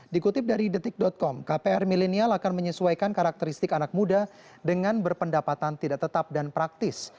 dikutip dari detik com kpr milenial akan menyesuaikan karakteristik anak muda dengan berpendapatan tidak tetap dan praktis